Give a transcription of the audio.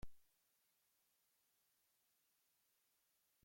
Centenares de malienses asisten al enterramiento.